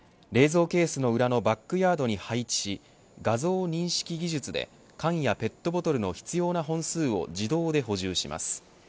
冷蔵ケースの裏のバックヤードに配置し画像認識技術で缶やペットボトルの必要な本数を自動で補充します。